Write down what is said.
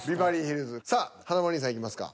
さあ華丸兄さんいきますか。